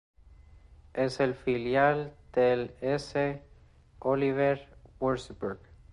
Es el filial del s.Oliver Würzburg.